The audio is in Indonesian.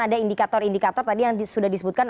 ada indikator indikator tadi yang sudah disebutkan